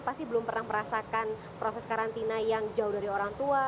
pasti belum pernah merasakan proses karantina yang jauh dari orang tua